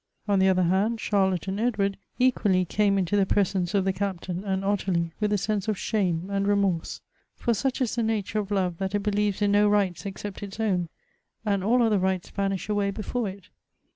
On the other hand, Charlotte and Edward equally came into the presence of the Captain and Ottilie with a sense of shame and remorse. For such is the nature of love that it believes in no rights except its own, and all other rights vanish away before it.